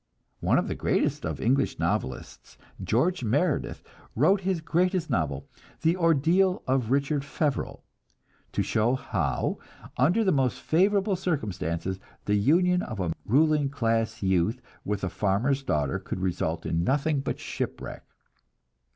One of the greatest of English novelists, George Meredith, wrote his greatest novel, "The Ordeal of Richard Feverel," to show how, under the most favorable circumstances, the union of a ruling class youth with a farmer's daughter could result in nothing but shipwreck.